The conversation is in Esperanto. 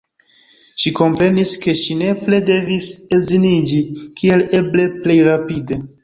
Ŝi komprenis, ke ŝi nepre devis edziniĝi kiel eble plej rapide.